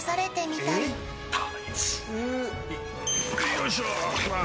よいしょっ！